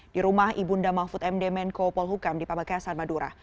di rumah ibu nda mahfud md menko polhukam di pamekasan madura